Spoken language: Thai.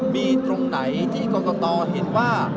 มีตรงไหนที่กรกตเห็นว่า